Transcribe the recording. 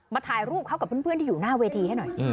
ถ่ายรูปเขากับเพื่อนที่อยู่หน้าเวทีให้หน่อย